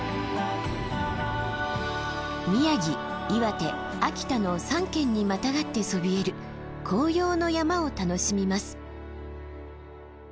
宮城岩手秋田の３県にまたがってそびえる紅葉の山を楽しみます。